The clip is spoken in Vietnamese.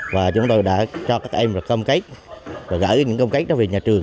và chúng tôi đã cho các em công kết và gửi những công kết về nhà trường